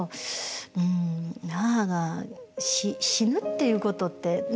うん母が死ぬっていうことってね